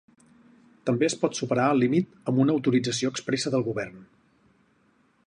També es pot superar el límit amb una autorització expressa del govern.